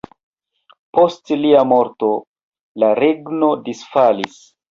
Post lia morto la regno disfalis.